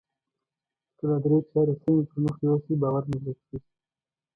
که دا درې چارې سمې پر مخ يوسئ باور مو زیاتیږي.